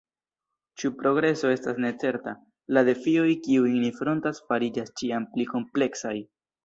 Ĉiu progreso estas necerta; la defioj, kiujn ni frontas, fariĝas ĉiam pli kompleksaj.